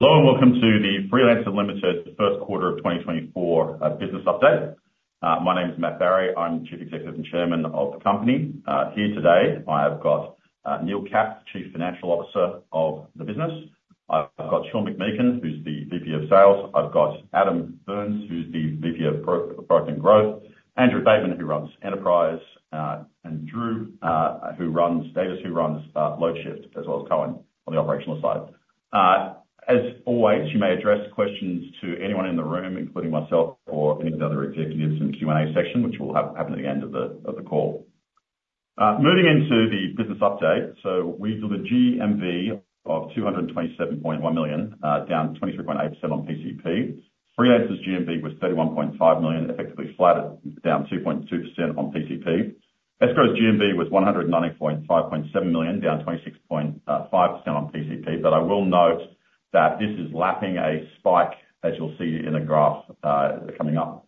Hello and welcome to the Freelancer Limited's first quarter of 2024 business update. My name's Matt Barrie. I'm Chief Executive and Chairman of the company. Here today I have got Neil Katz, Chief Financial Officer of the business. I've got Sean McMeekin, who's the VP of Growth and Growth. Andrew Bateman, who runs Enterprise. And Drew, who runs Davis, who runs Loadshift, as well as Cohen on the operational side. As always, you may address questions to anyone in the room, including myself or any of the other executives in the Q&A section, which will happen at the end of the call. Moving into the business update. We did a GMV of 227.1 million, down 23.8% on PCP. Freelancer's GMV was 31.5 million, effectively flat down 2.2% on PCP. Escrow.com's GMV was 195.7 million, down 26.5% on PCP. But I will note that this is lapping a spike, as you'll see in the graph coming up,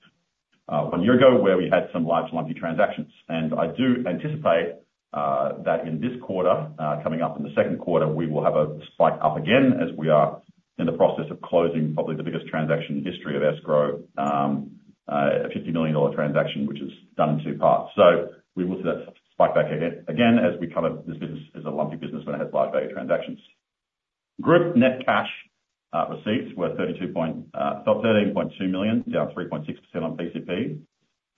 one year ago where we had some large lumpy transactions. And I do anticipate that in this quarter, coming up in the second quarter, we will have a spike up again as we are in the process of closing probably the biggest transaction in the history of Escrow, a $50 million transaction, which is done in two parts. So we will see that spike back again as we kind of this business is a lumpy business when it has large value transactions. Group net cash receipts were 13.2 million, down 3.6% on PCP.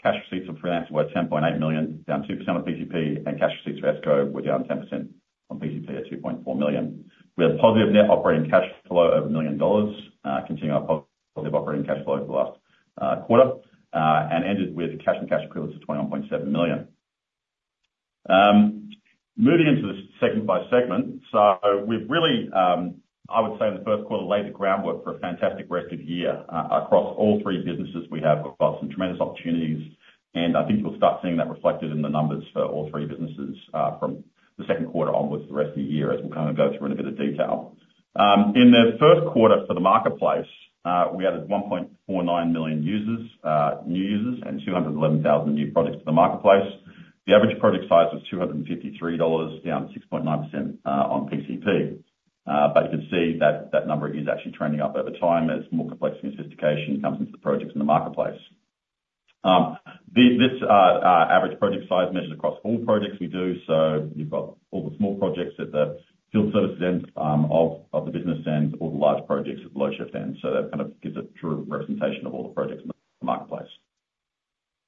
Cash receipts from Freelancer were 10.8 million, down 2% on PCP. And cash receipts for Escrow were down 10% on PCP at 2.4 million. We had a positive net operating cash flow of 1 million dollars, continuing our positive operating cash flow for the last quarter, and ended with cash and cash equivalents of 21.7 million. Moving into the second by segment. So we've really, I would say, in the first quarter, laid the groundwork for a fantastic rest of year across all three businesses. We have got some tremendous opportunities. And I think you'll start seeing that reflected in the numbers for all three businesses from the second quarter onwards the rest of the year, as we'll kind of go through in a bit of detail. In the first quarter for the marketplace, we added 1.49 million new users and 211,000 new projects to the marketplace. The average project size was $253, down 6.9% on PCP. But you can see that that number is actually trending up over time as more complexity and sophistication comes into the projects in the marketplace. This average project size measures across all projects we do. So you've got all the small projects at the field services end of the business and all the large projects at the Loadshift end. So that kind of gives a true representation of all the projects in the marketplace.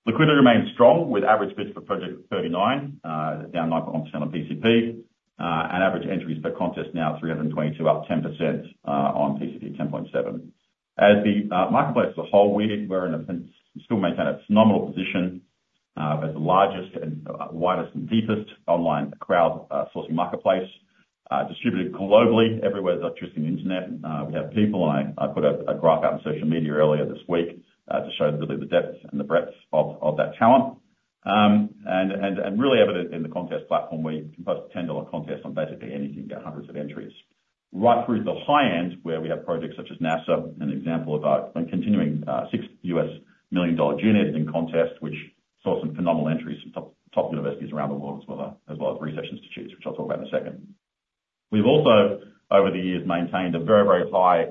Liquidity remains strong with average bid for project 39, down 9.1% on PCP. And average entries per contest now 322, up 10% on PCP 10.7. As the marketplace as a whole, we're still maintaining a phenomenal position as the largest and widest and deepest online crowdsourcing marketplace, distributed globally everywhere that's interested in the internet. We have people. I put a graph out on social media earlier this week to show really the depth and the breadth of that talent. And really evident in the contest platform, we can post a $10 contest on basically anything, get hundreds of entries. Right through to the high end where we have projects such as NASA, an example of our continuing U.S. million-dollar unit in contest, which saw some phenomenal entries from top universities around the world as well as research institutes, which I'll talk about in a second. We've also, over the years, maintained a very, very high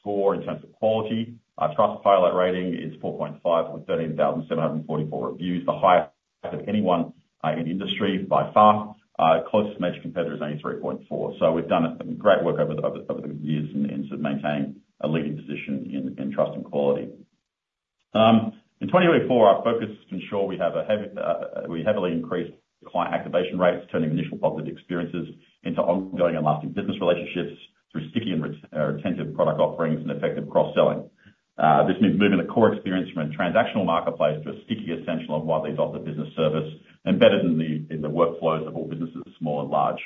score in terms of quality. Our Trustpilot rating is 4.5 with 13,744 reviews, the highest of anyone in industry by far. Closest major competitor is only 3.4. So we've done great work over the years in sort of maintaining a leading position in trust and quality. In 2024, our focus has been sure we have a heavily increased client activation rates, turning initial positive experiences into ongoing and lasting business relationships through sticky and attentive product offerings and effective cross-selling. This means moving the core experience from a transactional marketplace to a sticky essential of why they've offered business service embedded in the workflows of all businesses, small and large.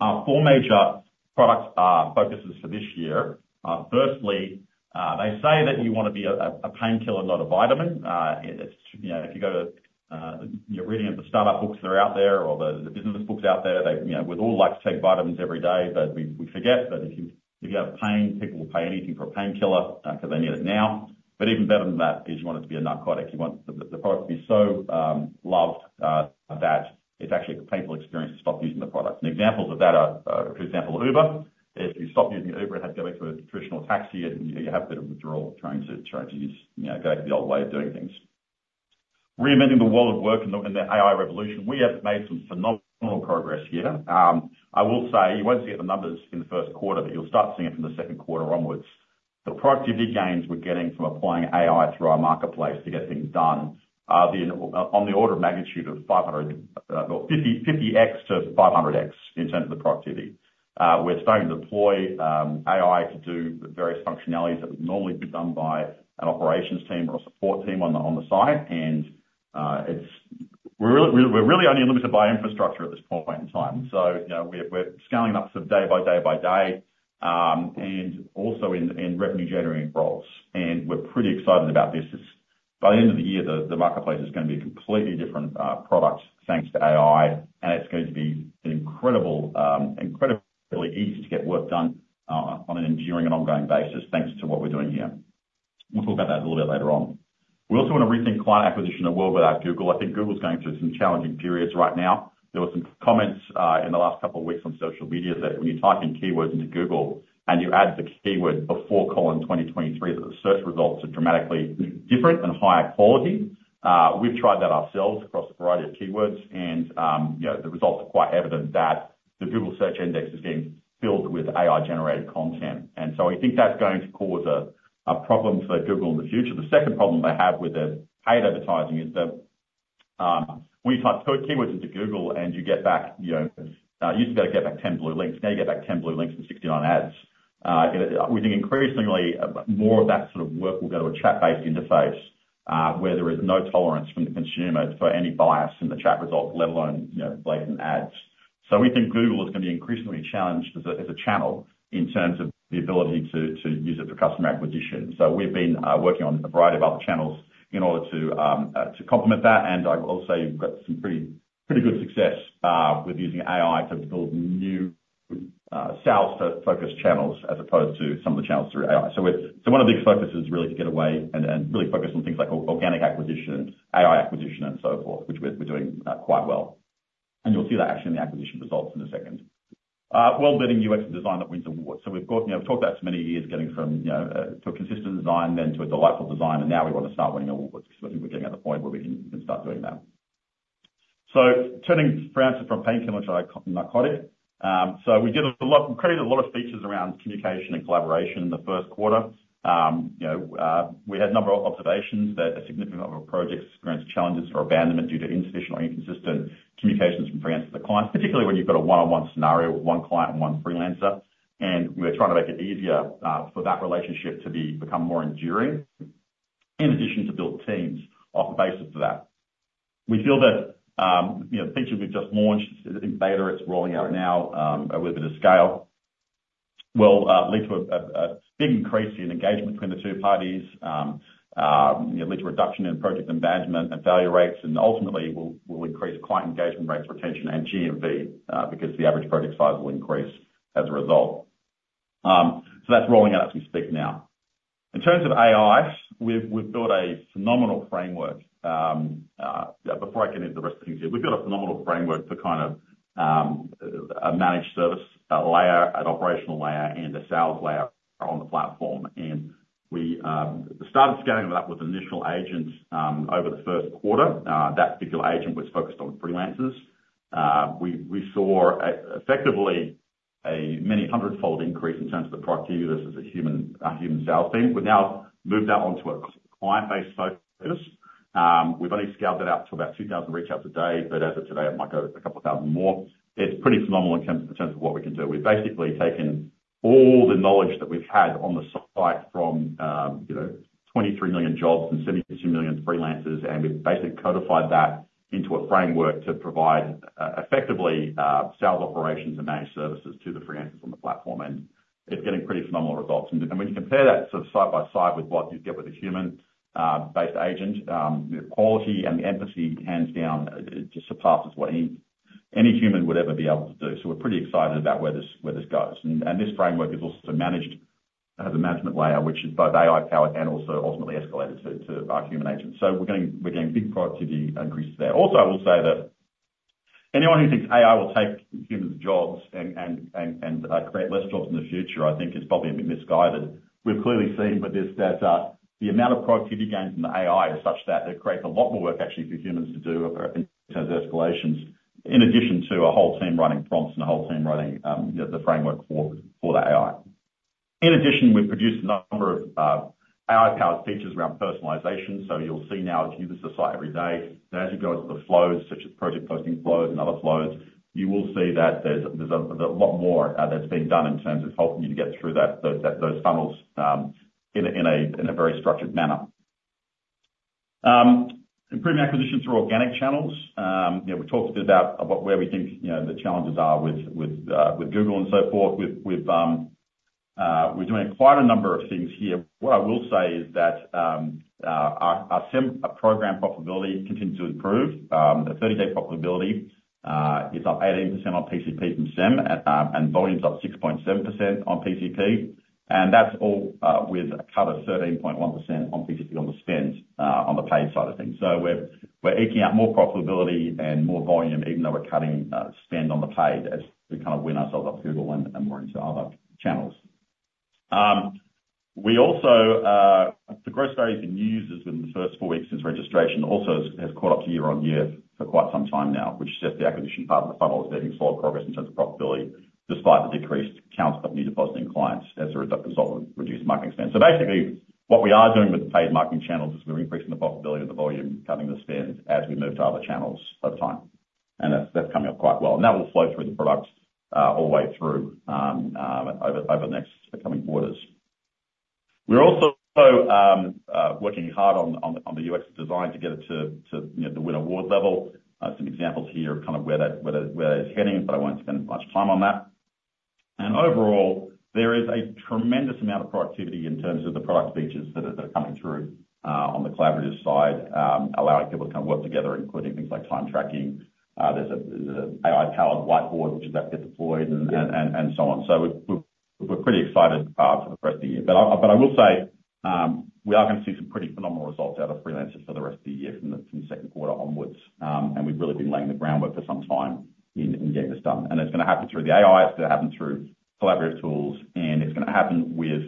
Our four major product focuses for this year. Firstly, they say that you want to be a painkiller, not a vitamin. If you go to reading of the startup books that are out there or the business books out there, we'd all like to take vitamins every day, but we forget. But if you have pain, people will pay anything for a painkiller because they need it now. But even better than that is you want it to be a narcotic. You want the product to be so loved that it's actually a painful experience to stop using the product. Examples of that are, for example, Uber. If you stop using Uber and have to go back to a traditional taxi, you have a bit of withdrawal trying to go back to the old way of doing things. Reinventing the world of work and the AI revolution, we have made some phenomenal progress here. I will say you won't see it in the numbers in the first quarter, but you'll start seeing it from the second quarter onwards. The productivity gains we're getting from applying AI through our marketplace to get things done are on the order of magnitude of 50x-500x in terms of the productivity. We're starting to deploy AI to do various functionalities that would normally be done by an operations team or a support team on the site. We're really only limited by infrastructure at this point in time. We're scaling up sort of day by day by day and also in revenue-generating roles. We're pretty excited about this. By the end of the year, the marketplace is going to be a completely different product thanks to AI. It's going to be incredibly easy to get work done on an enduring and ongoing basis thanks to what we're doing here. We'll talk about that a little bit later on. We also want to rethink client acquisition, a world without Google. I think Google's going through some challenging periods right now. There were some comments in the last couple of weeks on social media that when you type in keywords into Google and you add the keyword before colon 2023, the search results are dramatically different and higher quality. We've tried that ourselves across a variety of keywords. The results are quite evident that the Google search index is getting filled with AI-generated content. So I think that's going to cause a problem for Google in the future. The second problem they have with their paid advertising is that when you type keywords into Google and you get back you used to be able to get back 10 blue links. Now you get back 10 blue links and 69 ads. We think increasingly, more of that sort of work will go to a chat-based interface where there is no tolerance from the consumer for any bias in the chat results, let alone placing ads. So we think Google is going to be increasingly challenged as a channel in terms of the ability to use it for customer acquisition. So we've been working on a variety of other channels in order to complement that. And I will say you've got some pretty good success with using AI to build new sales-focused channels as opposed to some of the channels through AI. So one of the big focuses is really to get away and really focus on things like organic acquisition, AI acquisition, and so forth, which we're doing quite well. And you'll see that actually in the acquisition results in a second. World-leading UX and design that wins awards. So we've talked about this many years, getting from to a consistent design, then to a delightful design. Now we want to start winning awards because I think we're getting at the point where we can start doing that. So turning Freelancers from painkiller to narcotic. So we credited a lot of features around communication and collaboration in the first quarter. We had a number of observations that a significant number of projects experienced challenges or abandonment due to insufficient or inconsistent communications from Freelancers to clients, particularly when you've got a one-on-one scenario with one client and one Freelancer. And we were trying to make it easier for that relationship to become more enduring, in addition to build teams off the basis of that. We feel that features we've just launched in beta. It's rolling out now. A little bit of scale will lead to a big increase in engagement between the two parties, lead to reduction in project abandonment and failure rates, and ultimately will increase client engagement rates, retention, and GMV because the average project size will increase as a result. So that's rolling out as we speak now. In terms of AI, we've built a phenomenal framework. Before I get into the rest of the things here, we've built a phenomenal framework for kind of a managed service layer, an operational layer, and a sales layer on the platform. We started scaling that with initial agents over the first quarter. That particular agent was focused on Freelancers. We saw effectively a many-hundred-fold increase in terms of the productivity of this as a human sales team. We've now moved that onto a client-based focus. We've only scaled that out to about 2,000 reach-outs a day. But as of today, it might go a couple of thousand more. It's pretty phenomenal in terms of what we can do. We've basically taken all the knowledge that we've had on the site from 23 million jobs and 72 million Freelancers. We've basically codified that into a framework to provide effectively sales operations and managed services to the Freelancers on the platform. It's getting pretty phenomenal results. When you compare that sort of side by side with what you get with a human-based agent, the quality and the empathy, hands down, just surpasses what any human would ever be able to do. We're pretty excited about where this goes. And this framework is also managed as a management layer, which is both AI-powered and also ultimately escalated to our human agents. So we're getting big productivity increases there. Also, I will say that anyone who thinks AI will take humans' jobs and create less jobs in the future, I think, is probably a bit misguided. We've clearly seen with this that the amount of productivity gains in the AI is such that it creates a lot more work, actually, for humans to do in terms of escalations, in addition to a whole team writing prompts and a whole team writing the framework for the AI. In addition, we've produced a number of AI-powered features around personalization. So you'll see now if you use the site every day, that as you go into the flows, such as project posting flows and other flows, you will see that there's a lot more that's being done in terms of helping you to get through those funnels in a very structured manner. Improving acquisition through organic channels. We've talked a bit about where we think the challenges are with Google and so forth. We're doing quite a number of things here. What I will say is that our program profitability continues to improve. The 30-day profitability is up 18% on PCP from SEM and volumes up 6.7% on PCP. And that's all with a cut of 13.1% on PCP on the spend, on the paid side of things. So we're eking out more profitability and more volume, even though we're cutting spend on the paid as we kind of wean ourselves up to Google and more into other channels. The gross value for new users within the first four weeks since registration also has caught up to year-over-year for quite some time now, which sets the acquisition part of the funnel as making slower progress in terms of profitability despite the decreased counts of new depositing clients as a result of reduced marketing spend. So basically, what we are doing with the paid marketing channels is we're increasing the profitability and the volume, cutting the spend as we move to other channels over time. That will flow through the product all the way through over the next coming quarters. We're also working hard on the UX design to get it to the win-award level. Some examples here of kind of where that is heading, but I won't spend much time on that. And overall, there is a tremendous amount of productivity in terms of the product features that are coming through on the collaborative side, allowing people to kind of work together, including things like time tracking. There's an AI-powered whiteboard, which is about to get deployed, and so on. So we're pretty excited for the rest of the year. But I will say we are going to see some pretty phenomenal results out of Freelancers for the rest of the year from the second quarter onwards. And we've really been laying the groundwork for some time in getting this done. And it's going to happen through the AI. It's going to happen through collaborative tools. It's going to happen with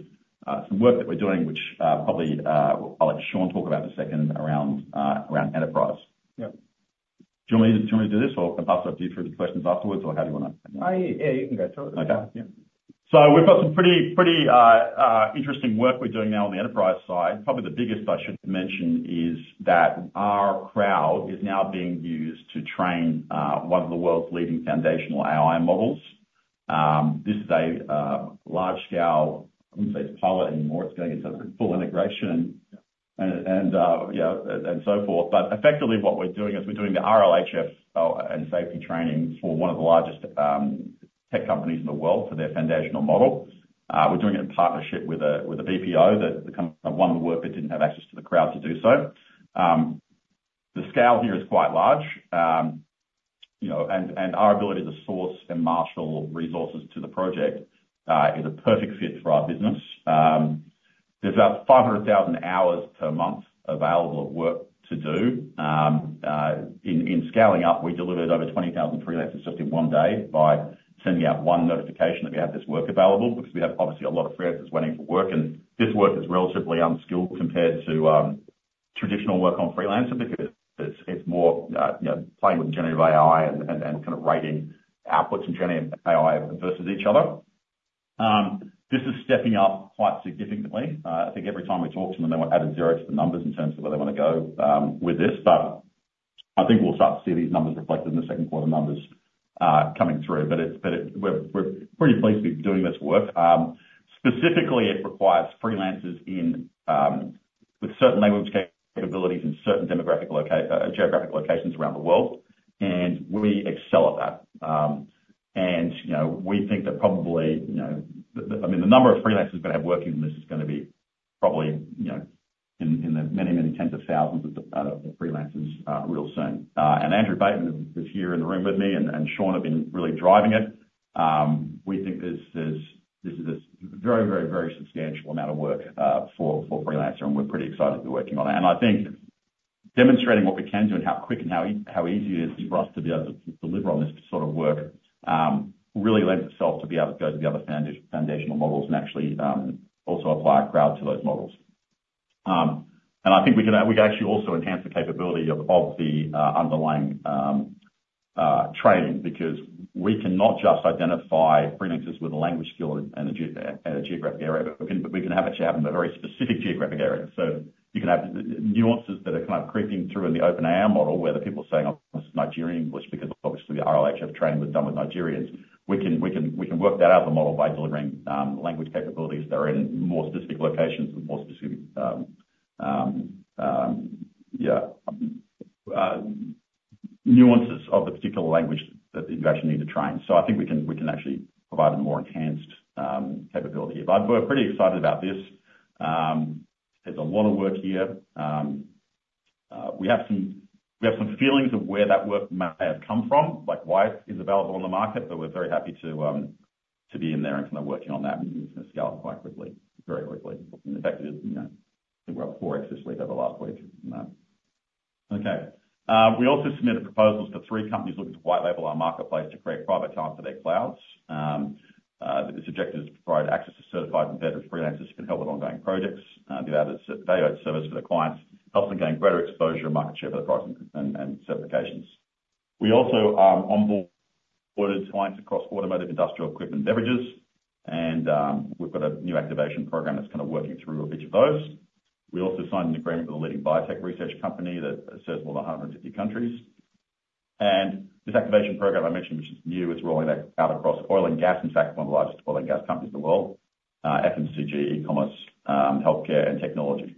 some work that we're doing, which probably I'll let Sean talk about in a second around enterprise. Do you want me to do this or pass it off to you through the questions afterwards, or how do you want to? Yeah, you can go through it. Yeah. We've got some pretty interesting work we're doing now on the enterprise side. Probably the biggest I should mention is that our crowd is now being used to train one of the world's leading foundational AI models. This is a large-scale I wouldn't say it's pilot anymore. It's going into full integration and so forth. But effectively, what we're doing is we're doing the RLHF and safety training for one of the largest tech companies in the world for their foundational model. We're doing it in partnership with a BPO that kind of won the work but didn't have access to the crowd to do so. The scale here is quite large. Our ability to source and marshal resources to the project is a perfect fit for our business. There's about 500,000 hours per month available of work to do. In scaling up, we delivered over 20,000 Freelancers just in one day by sending out one notification that we had this work available because we have, obviously, a lot of Freelancers waiting for work. This work is relatively unskilled compared to traditional work on Freelancer because it's more playing with generative AI and kind of rating outputs and generative AI versus each other. This is stepping up quite significantly. I think every time we talk to them, they want to add a zero to the numbers in terms of where they want to go with this. But I think we'll start to see these numbers reflected in the second quarter numbers coming through. But we're pretty pleased to be doing this work. Specifically, it requires Freelancers with certain language capabilities in certain geographic locations around the world. And we excel at that. And we think that probably I mean, the number of Freelancers going to have working on this is going to be probably in the many, many tens of thousands of Freelancers real soon. And Andrew Bateman is here in the room with me, and Sean have been really driving it. We think this is a very, very, very substantial amount of work for Freelancer. And we're pretty excited to be working on it. I think demonstrating what we can do and how quick and how easy it is for us to be able to deliver on this sort of work really lends itself to be able to go to the other foundational models and actually also apply a crowd to those models. I think we could actually also enhance the capability of the underlying training because we cannot just identify Freelancers with a language skill and a geographic area, but we can actually have them in a very specific geographic area. So you can have nuances that are kind of creeping through in the OpenAI model where the people are saying, "Oh, this is Nigerian English because, obviously, the RLHF training was done with Nigerians." We can work that out of the model by delivering language capabilities that are in more specific locations and more specific, yeah, nuances of the particular language that you actually need to train. So I think we can actually provide a more enhanced capability. But we're pretty excited about this. There's a lot of work here. We have some feelings of where that work may have come from, like why it is available on the market. But we're very happy to be in there and kind of working on that and scaling quite quickly, very quickly. And effectively, I think we're up four exits sleeve over the last week in that. Okay. We also submitted proposals for 3 companies looking to white-label our marketplace to create private tasks for their clouds. The objective is to provide access to certified embedded Freelancers who can help with ongoing projects. The value-added service for the clients helps them gain greater exposure and market share for the products and certifications. We also onboarded clients across automotive, industrial equipment, beverages. We've got a new activation program that's kind of working through each of those. We also signed an agreement with a leading biotech research company that serves more than 150 countries. This activation program I mentioned, which is new, it's rolling out across oil and gas, in fact, one of the largest oil and gas companies in the world, FMCG, e-commerce, healthcare, and technology.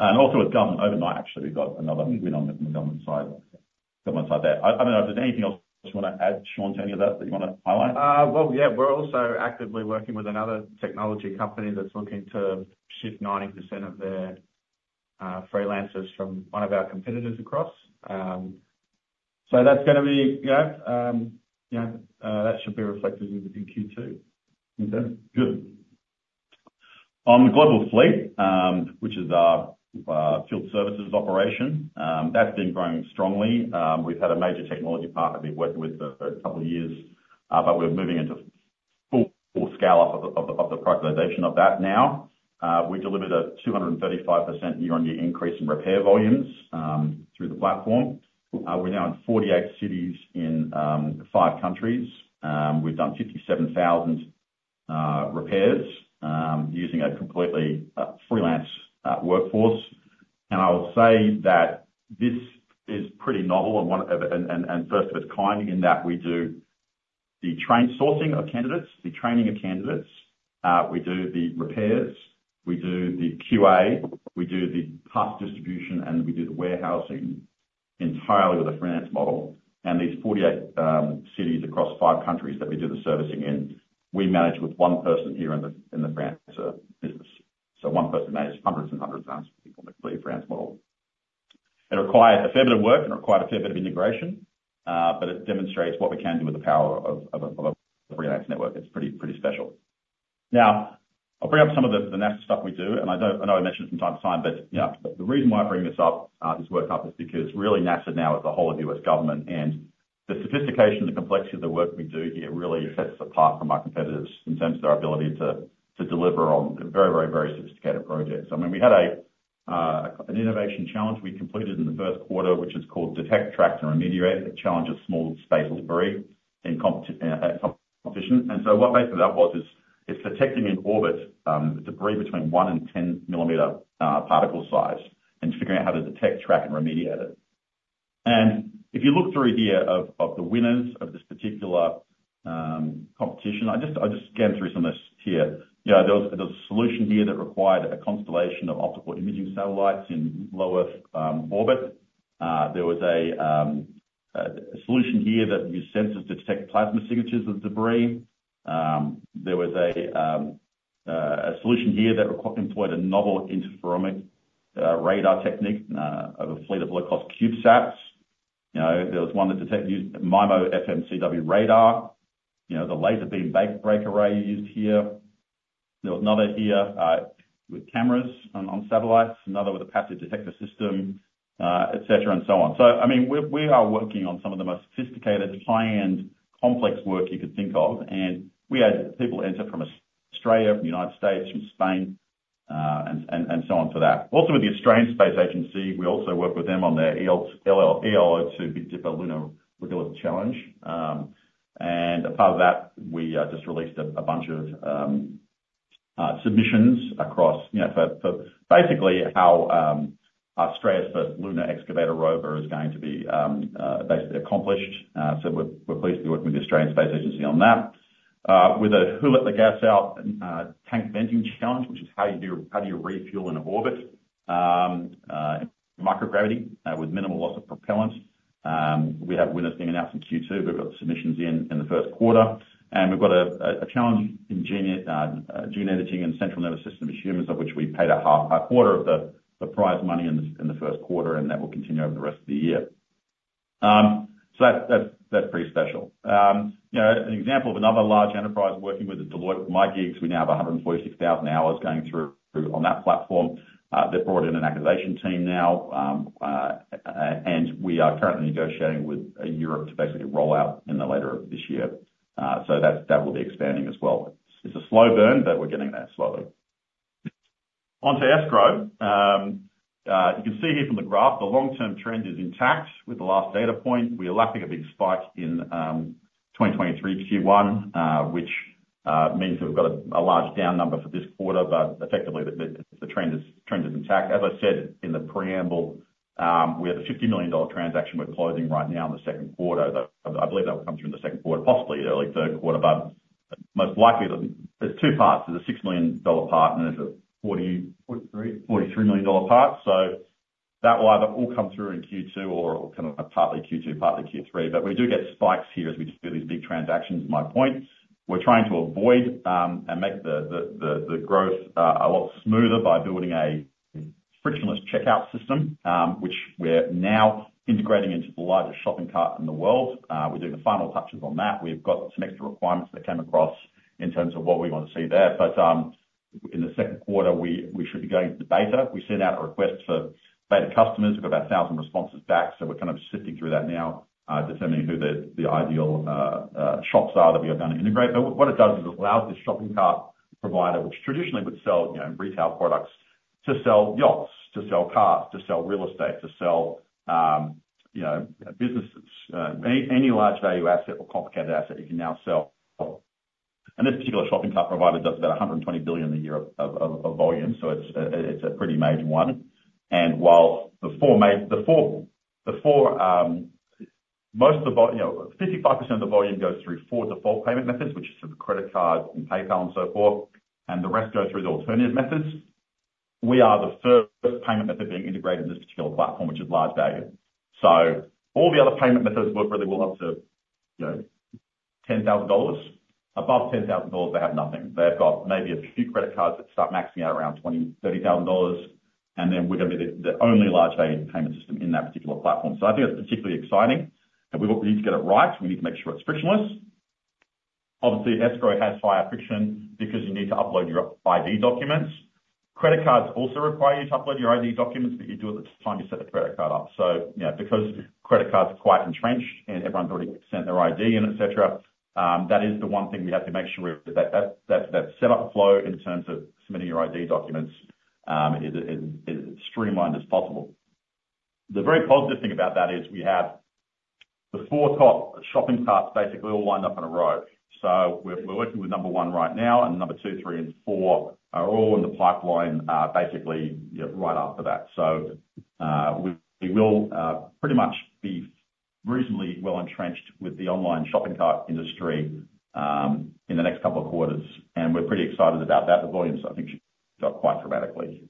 Also with government overnight, actually, we've got another win on the government side there. I don't know if there's anything else you want to add, Sean, to any of that that you want to highlight. Well, yeah. We're also actively working with another technology company that's looking to shift 90% of their Freelancers from one of our competitors across. So that's going to be yeah. That should be reflected in Q2. Okay. Good. On the Global Fleet, which is our field services operation, that's been growing strongly. We've had a major technology partner we've worked with for a couple of years. But we're moving into full scale-up of the productization of that now. We delivered a 235% year-on-year increase in repair volumes through the platform. We're now in 48 cities in five countries. We've done 57,000 repairs using a completely freelance workforce. I will say that this is pretty novel and first of its kind in that we do the sourcing of candidates, the training of candidates. We do the repairs. We do the QA. We do the parts distribution. We do the warehousing entirely with a freelance model. These 48 cities across five countries that we do the servicing in, we manage with one person here in the Freelancer business. So one person manages hundreds and hundreds of thousands of people in the complete freelance model. It required a fair bit of work and required a fair bit of integration. But it demonstrates what we can do with the power of a freelance network. It's pretty special. Now, I'll bring up some of the NASA stuff we do. I know I mention it from time to time. But the reason why I bring this up, this work up, is because really, NASA now is the whole of U.S. government. And the sophistication, the complexity of the work we do here really sets us apart from our competitors in terms of their ability to deliver on very, very, very sophisticated projects. I mean, we had an innovation challenge we completed in the first quarter, which is called Detect, Track, and Remediate. It challenges small space debris in competition. And so what basically that was is it's detecting in orbit debris between 1 and 10-millimeter particle size and figuring out how to detect, track, and remediate it. And if you look through here of the winners of this particular competition, I just scanned through some of this here. There was a solution here that required a constellation of optical imaging satellites in low Earth orbit. There was a solution here that used sensors to detect plasma signatures of debris. There was a solution here that employed a novel interferometric radar technique of a fleet of low-cost CubeSats. There was one that used MIMO FMCW radar, the laser beam break array used here. There was another here with cameras on satellites, another with a passive detector system, etc., and so on. So I mean, we are working on some of the most sophisticated, high-end, complex work you could think of. And we had people enter from Australia, from the United States, from Spain, and so on for that. Also with the Australian Space Agency, we also worked with them on their ELO2 Big Dipper Lunar Regolith Challenge. And a part of that, we just released a bunch of submissions across for basically how Australia's first lunar excavator rover is going to be basically accomplished. So we're pleased to be working with the Australian Space Agency on that. With the Ullage Gas-Off Tank Venting Challenge, which is how do you refuel in orbit in microgravity with minimal loss of propellant. We have winners being announced in Q2. We've got submissions in the first quarter. And we've got a challenge in gene editing and central nervous system issues, of which we paid a quarter of the prize money in the first quarter. And that will continue over the rest of the year. So that's pretty special. An example of another large enterprise working with Deloitte with MyGigs, we now have 146,000 hours going through on that platform. They've brought in an activation team now. And we are currently negotiating with Europe to basically roll out in the latter half of this year. So that will be expanding as well. It's a slow burn, but we're getting there slowly. Onto Escrow. You can see here from the graph, the long-term trend is intact with the last data point. We are lacking a big spike in 2023 Q1, which means that we've got a large down number for this quarter. But effectively, the trend is intact. As I said in the preamble, we have a $50 million transaction we're closing right now in the second quarter. I believe that will come through in the second quarter, possibly early third quarter. But most likely, there's two parts. There's a $6 million part, and there's a $43 million part. So that will either all come through in Q2 or kind of partly Q2, partly Q3. But we do get spikes here as we do these big transactions, my point. We're trying to avoid and make the growth a lot smoother by building a frictionless checkout system, which we're now integrating into the largest shopping cart in the world. We're doing the final touches on that. We've got some extra requirements that came across in terms of what we want to see there. But in the second quarter, we should be going to the beta. We sent out a request for beta customers. We've got about 1,000 responses back. So we're kind of sifting through that now, determining who the ideal shops are that we are going to integrate. But what it does is it allows this shopping cart provider, which traditionally would sell retail products, to sell yachts, to sell cars, to sell real estate, to sell businesses, any large-value asset or complicated asset you can now sell. This particular shopping cart provider does about $120 billion a year of volume. So it's a pretty major one. And while the four most of the 55% of the volume goes through four default payment methods, which is through credit card and PayPal and so forth, and the rest go through the alternative methods, we are the first payment method being integrated in this particular platform, which is large value. So all the other payment methods work really well up to $10,000. Above $10,000, they have nothing. They've got maybe a few credit cards that start maxing out around $30,000. And then we're going to be the only large-value payment system in that particular platform. So I think it's particularly exciting. And we need to get it right. We need to make sure it's frictionless. Obviously, Escrow has higher friction because you need to upload your ID documents. Credit cards also require you to upload your ID documents, but you do at the time you set the credit card up. So because credit cards are quite entrenched and everyone's already sent their ID and etc., that is the one thing we have to make sure is that that setup flow in terms of submitting your ID documents is as streamlined as possible. The very positive thing about that is we have the four top shopping carts basically all lined up in a row. So we're working with number one right now. Number two, three, and four are all in the pipeline basically right after that. So we will pretty much be reasonably well entrenched with the online shopping cart industry in the next couple of quarters. We're pretty excited about that. The volumes, I think, should go up quite dramatically.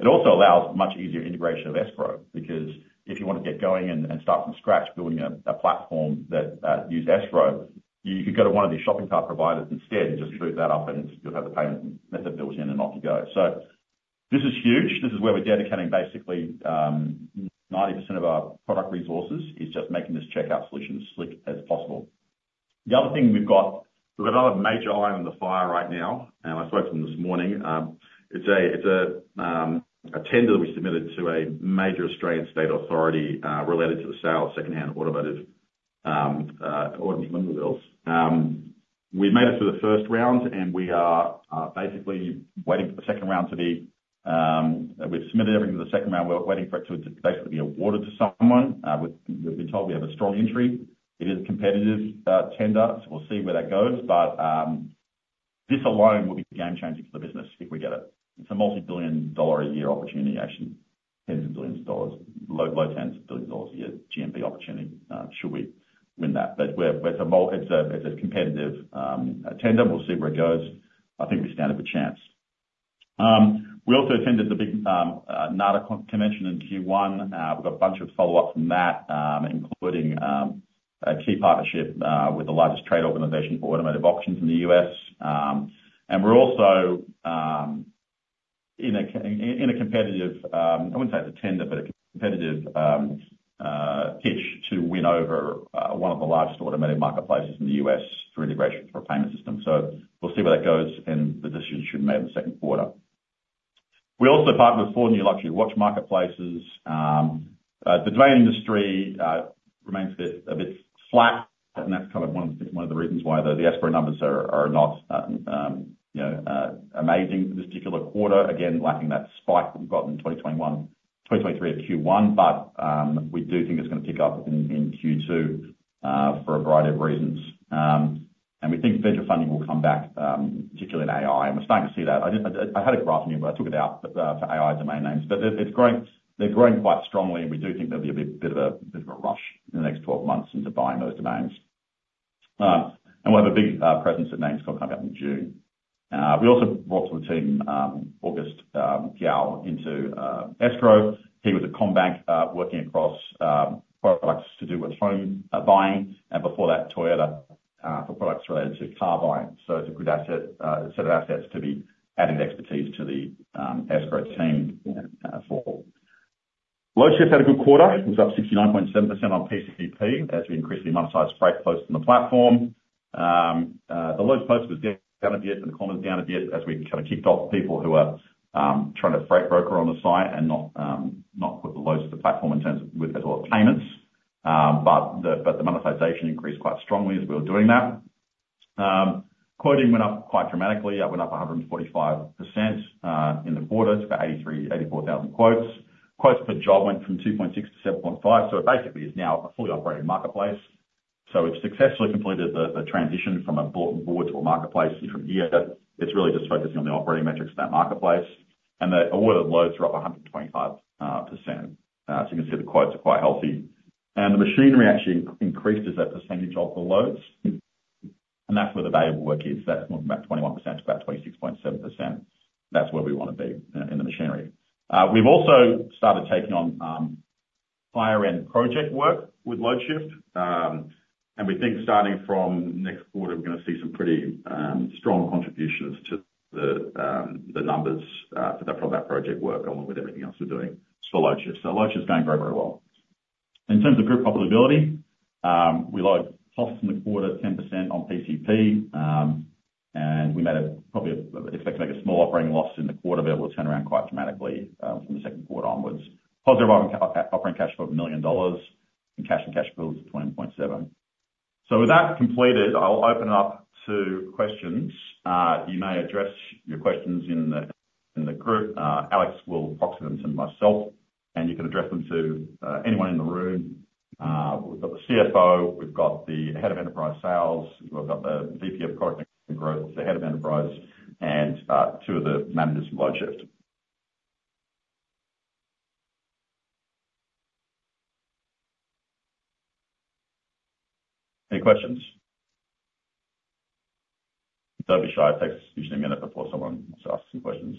It also allows much easier integration of Escrow because if you want to get going and start from scratch building a platform that used Escrow, you could go to one of these shopping cart providers instead and just boot that up. You'll have the payment method built in, and off you go. So this is huge. This is where we're dedicating basically 90% of our product resources is just making this checkout solution as slick as possible. The other thing we've got we've got another major iron in the fire right now. I spoke to them this morning. It's a tender that we submitted to a major Australian state authority related to the sale of secondhand automotive automobile wheels. We've made it through the first round. We are basically waiting for the second round to be we've submitted everything to the second round. We're waiting for it to basically be awarded to someone. We've been told we have a strong entry. It is a competitive tender. So we'll see where that goes. But this alone will be game-changing for the business if we get it. It's a multi-billion-a-year opportunity, actually, tens of billions, low tens of billions a year GMV opportunity, should we win that. But it's a competitive tender. We'll see where it goes. I think we stand up a chance. We also attended the big NADA convention in Q1. We've got a bunch of follow-ups from that, including a key partnership with the largest trade organization for automotive auctions in the U.S. And we're also in a competitive—I wouldn't say it's a tender, but a competitive pitch—to win over one of the largest automotive marketplaces in the US for integration for a payment system. So we'll see where that goes. And the decision should be made in the second quarter. We also partner with four new luxury watch marketplaces. The domain industry remains a bit flat. And that's kind of one of the reasons why the Escrow numbers are not amazing this particular quarter, again, lacking that spike that we've got in 2023 at Q1. But we do think it's going to pick up in Q2 for a variety of reasons. And we think venture funding will come back, particularly in AI. And we're starting to see that. I had a graph in here, but I took it out for AI domain names. But they're growing quite strongly. We do think there'll be a bit of a rush in the next 12 months into buying those domains. We'll have a big presence at NamesCon coming up in June. We also brought to the team August Gao into Escrow. He was at CommBank working across products to do with home buying. And before that, Toyota for products related to car buying. So it's a good set of assets to be adding expertise to the Escrow team for. Loadshift had a good quarter. It was up 69.7% on PCP as we increased the monetized freight posts on the platform. The load post was down a bit, and the comments down a bit as we kind of kicked off people who are trying to freight broker on the site and not put the loads onto the platform in terms of as well as payments. Monetization increased quite strongly as we were doing that. Quoting went up quite dramatically. It went up 145% in the quarter to about 84,000 quotes. Quotes per job went from 2.6%-7.5%. So it basically is now a fully operating marketplace. So it's successfully completed the transition from a board to a marketplace from here. It's really just focusing on the operating metrics of that marketplace. And the awarded loads are up 125%. So you can see the quotes are quite healthy. And the machinery actually increased as a percentage of the loads. And that's where the valuable work is. That's moving about 21%-about 26.7%. That's where we want to be in the machinery. We've also started taking on higher-end project work with Loadshift. We think starting from next quarter, we're going to see some pretty strong contributions to the numbers from that project work along with everything else we're doing for Loadshift. So Loadshift's going very, very well. In terms of group profitability, we logged costs in the quarter, 10% on PCP. We expect to make a small operating loss in the quarter, but it will turn around quite dramatically from the second quarter onwards. Positive operating cash flow of 1 million dollars. And cash and cash pools of 20.7 million. So with that completed, I'll open it up to questions. You may address your questions in the group. Alex will proxy them to myself. And you can address them to anyone in the room. We've got the CFO. We've got the head of enterprise sales. We've got the VP of product and growth. It's the head of enterprise and two of the managers from Loadshift. Any questions? Don't be shy. It takes usually a minute before someone asks some questions.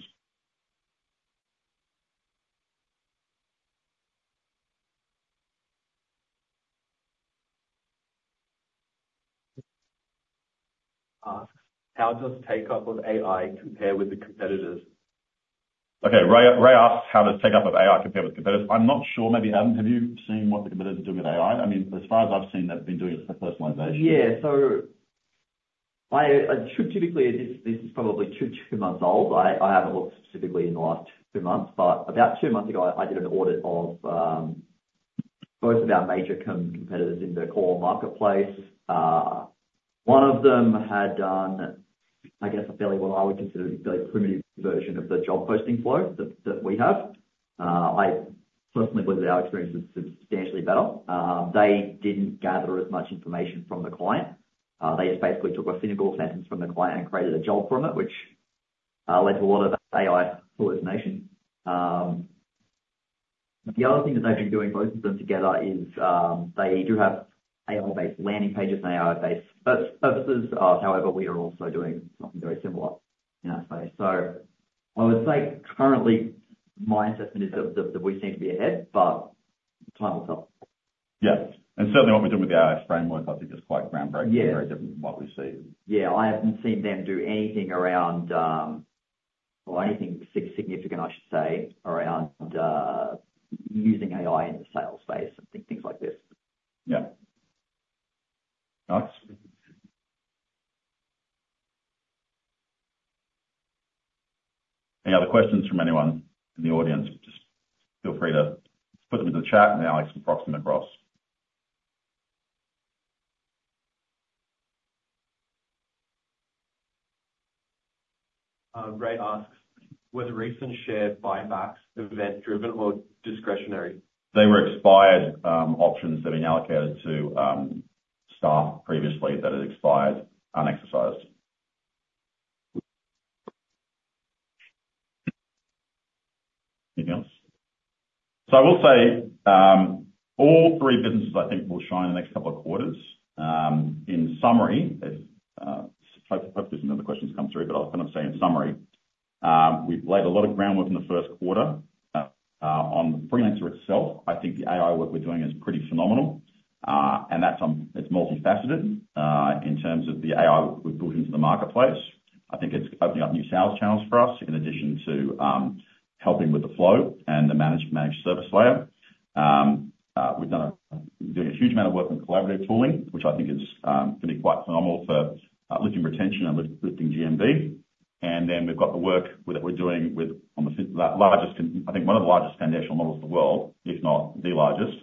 Ask, how does takeoff of AI compare with the competitors? Okay. Ray asks, how does takeoff of AI compare with the competitors? I'm not sure. Maybe you haven't. Have you seen what the competitors are doing with AI? I mean, as far as I've seen, they've been doing it for personalization. Yeah. So typically, this is probably 2, 2 months old. I haven't looked specifically in the last 2 months. But about 2 months ago, I did an audit of both of our major competitors in the core marketplace. One of them had done, I guess, a fairly what I would consider a fairly primitive version of the job posting flow that we have. I personally believe that our experience is substantially better. They didn't gather as much information from the client. They just basically took a single sentence from the client and created a job from it, which led to a lot of AI hallucination. The other thing that they've been doing, both of them together, is they do have AI-based landing pages and AI-based services. However, we are also doing something very similar in that space. I would say currently, my assessment is that we seem to be ahead. Time will tell. Yeah. Certainly, what we're doing with the AI framework, I think, is quite groundbreaking and very different from what we've seen. Yeah. I haven't seen them do anything around well, anything significant, I should say, around using AI in the sales space and things like this. Yeah. Alex? Any other questions from anyone in the audience? Just feel free to put them into the chat. And Alex will proxy them across. Ray asks, was the recent share buybacks event-driven or discretionary? They were expired options that had been allocated to staff previously that had expired, unexercised. Anything else? So I will say all three businesses, I think, will shine in the next couple of quarters. In summary hopefully, some other questions come through. But what I'm saying, in summary, we've laid a lot of groundwork in the first quarter. On the Freelancer itself, I think the AI work we're doing is pretty phenomenal. And it's multifaceted in terms of the AI we've built into the marketplace. I think it's opening up new sales channels for us in addition to helping with the flow and the managed service layer. We're doing a huge amount of work on collaborative tooling, which I think is going to be quite phenomenal for lifting retention and lifting GMV. And then we've got the work that we're doing on the largest, I think one of the largest, foundational models in the world, if not the largest,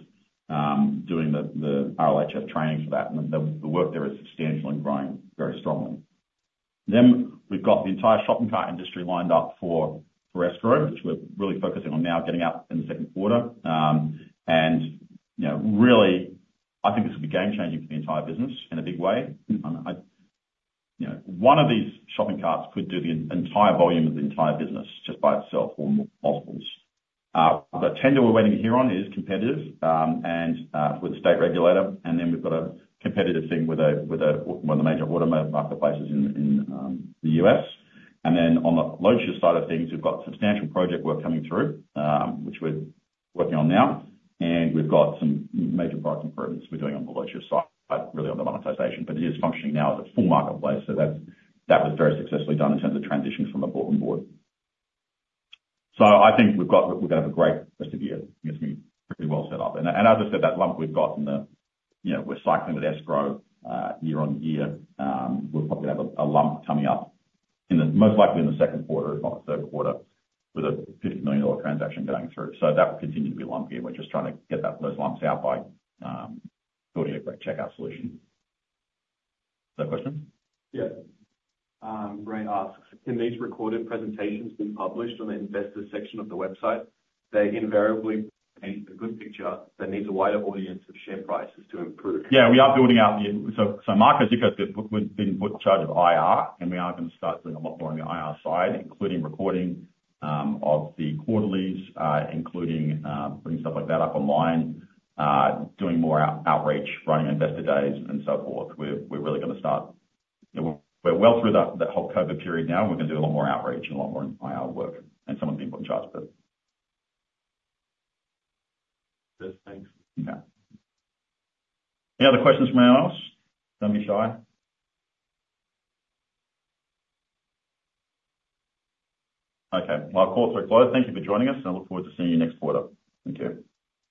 doing the RLHF training for that. And the work there is substantial and growing very strongly. Then we've got the entire shopping cart industry lined up for Escrow, which we're really focusing on now getting up in the second quarter. And really, I think this will be game-changing for the entire business in a big way. One of these shopping carts could do the entire volume of the entire business just by itself or multiples. The tender we're waiting to hear on is competitive with a state regulator. And then we've got a competitive thing with one of the major automotive marketplaces in the U.S. Then on the Loadshift side of things, we've got substantial project work coming through, which we're working on now. We've got some major product improvements we're doing on the Loadshift side, really on the monetization. But it is functioning now as a full marketplace. That was very successfully done in terms of transition from a board to board. I think we're going to have a great rest of the year. I think it's going to be pretty well set up. As I said, that lump we've got in the we're cycling with Escrow year-over-year. We're probably going to have a lump coming up most likely in the second quarter, if not the third quarter, with a $50 million transaction going through. That will continue to be lumpy. We're just trying to get those lumps out by building a great checkout solution. Is that a question? Yeah. Ray asks, can these recorded presentations be published on the investors section of the website? They invariably paint a good picture that needs a wider audience of share prices to improve. Yeah. We are building out, so Mark has just said we've been put in charge of IR. And we are going to start doing a lot more on the IR side, including recording of the quarterlies, including putting stuff like that up online, doing more outreach, running investor days, and so forth. We're really going to start. We're well through that whole COVID period now. And we're going to do a lot more outreach and a lot more IR work. And someone's been put in charge of it. Good. Thanks. Okay. Any other questions from anyone else? Don't be shy. Okay. Well, calls are closed. Thank you for joining us. I look forward to seeing you next quarter. Thank you.